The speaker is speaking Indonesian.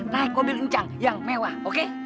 naik mobil nincang yang mewah oke